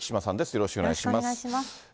よろしくお願いします。